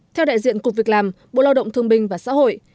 theo đại diện cục việc làm bộ lao động thương binh và xã hội